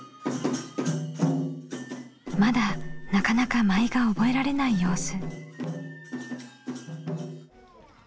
まだなかなか舞が覚えられない様子。